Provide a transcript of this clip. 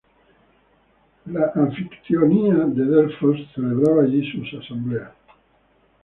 La Anfictionía de Delfos celebraba allí sus asambleas.